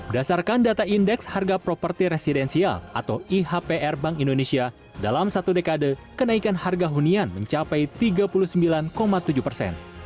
dasarkan data indeks harga properti residensial atau ihpr bank indonesia dalam satu dekade kenaikan harga hunian mencapai tiga puluh sembilan tujuh persen